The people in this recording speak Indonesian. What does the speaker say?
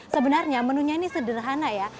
sebenarnya menunya ini sederhana ya